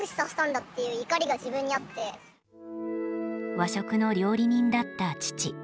和食の料理人だった父。